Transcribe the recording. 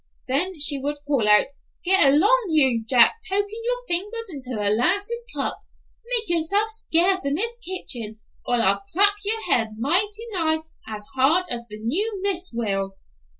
Then she would call out, "Get along you, Jack, pokin' your fingers into the 'lasses cup; make yourself scarce in this kitchen, or I'll crack your head mighty nigh as hard as the new Miss will."